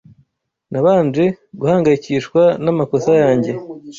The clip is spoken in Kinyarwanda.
Nabanje guhangayikishwa namakosa yanjye.